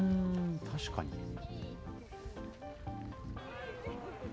確かに。